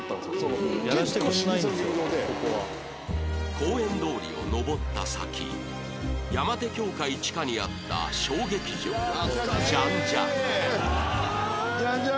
公園通りを上った先山手教会地下にあった小劇場ジァン・ジァン「ジァン・ジァン」